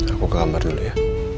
aku ke kamar dulu ya